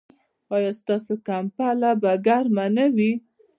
ایا ستاسو کمپله به ګرمه نه وي؟